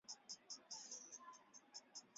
人人在各国境内有权自由迁徙和居住。